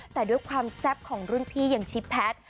แต่ด้วยความแซ่บของรุ่นพี่อย่างชิปแพทย์